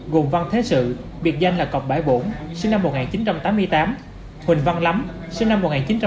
gồm văn thế sự biệt danh là cọc bãi bổn sinh năm một nghìn chín trăm tám mươi tám huỳnh văn lắm sinh năm một nghìn chín trăm tám mươi